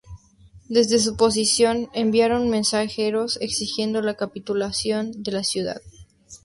Desde su posición enviaron mensajeros exigiendo la capitulación de la ciudad.